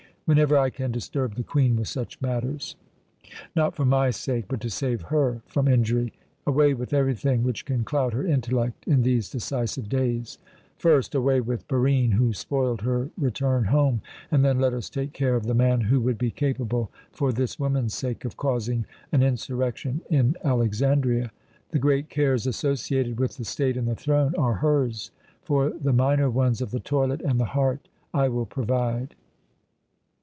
"Whenever I can disturb the Queen with such matters." "Not for my sake, but to save her from injury. Away with everything which can cloud her intellect in these decisive days! First, away with Barine, who spoiled her return home; and then let us take care of the man who would be capable, for this woman's sake, of causing an insurrection in Alexandria. The great cares associated with the state and the throne are hers; for the minor ones of the toilet and the heart I will provide."